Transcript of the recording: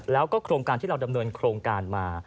แล้วก็โครงการที่เราดำเนินโครงการมา